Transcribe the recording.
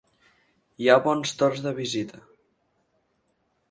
Hi ha bons torns de visita.